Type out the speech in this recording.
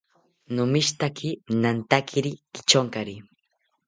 Nomishitaki nantakiri kityonkari